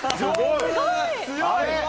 強い！